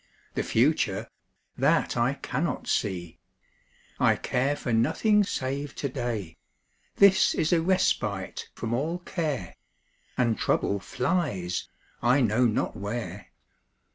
The future that I cannot see! I care for nothing save to day This is a respite from all care, And trouble flies I know not where.